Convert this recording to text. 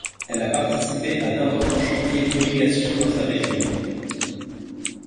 Elle a participé à d'importants chantiers d'irrigation dans sa région.